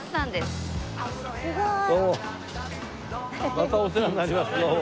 またお世話になりますどうも。